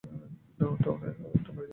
ডাউনটাউনে একটা এমারজেন্সি হয়েছিল।